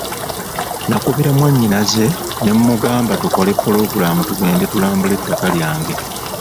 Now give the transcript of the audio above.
Nakubira mwannyinaze ne mmugamba tukola pulogulaamu tugende tulambule ettaka lyange.